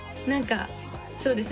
そうですね